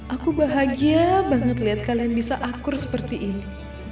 aku bahagia banget lihat kalian bisa akur seperti ini